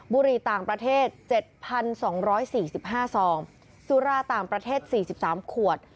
บุหรี่ต่างประเทศเจ็ดพันสองร้อยสี่สิบห้าซองสุราต่างประเทศสี่สิบสามขวด